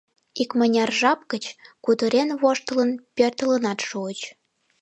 Икмыняр жап гыч, кутырен-воштылын, пӧртылынат шуыч.